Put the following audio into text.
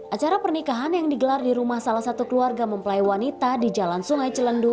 acara pernikahan yang digelar di rumah salah satu keluarga mempelai wanita di jalan sungai celendu